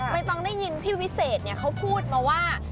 ไม่ต้องได้ยินพี่วิเศษเขาพูดมาว่า